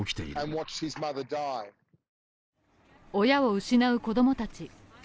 親を失う子供たち。